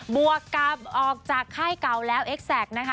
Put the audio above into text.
บวกกลับออกจากไข้เก่าแล้วเอ็กซ์แสกนะคะ